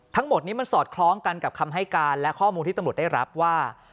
ทั้งหมดนี้มันสอดคล้องกันกับคำให้การและข้อมูลที่ตำรวจได้รับว่า